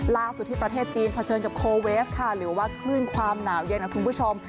ล่าสุดที่ประเทศจีนเผชิญกับโคเวฟค่ะหรือว่าคลื่นความหนาวเย็นนะคุณผู้ชม